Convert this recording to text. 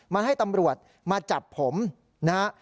มาให้ตำรวจมาจับผมนะฮะ